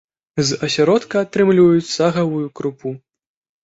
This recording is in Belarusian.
З асяродка атрымліваюць сагавую крупу.